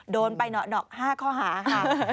โดนไปเหนาะ๕ข้อหาค่ะ